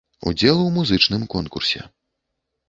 Удзел у музычным конкурсе.